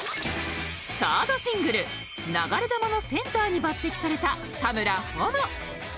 ３ｒｄシングル『流れ弾』のセンターに抜てきされた田村保乃。